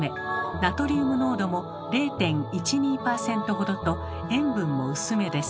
ナトリウム濃度も０．１２％ほどと塩分も薄めです。